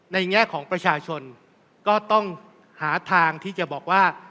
แง่ของประชาชนก็ต้องหาทางที่จะบอกว่า